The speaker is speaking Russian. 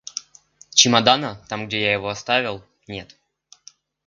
Чемодана, там, где я его оставил, нет.